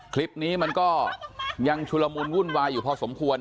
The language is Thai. คลิปนี้มันก็ยังชุลมูลวุ่นวายอยู่พอสมควร